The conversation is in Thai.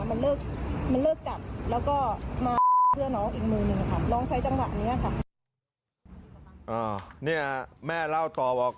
อ่าวนี้แม่เล่าต่อว่า